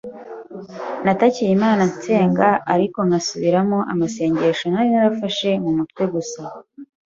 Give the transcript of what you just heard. natakiye Imana nsenga ariko nkasubiramo amasengesho nari narafashe mu mutwe gusa.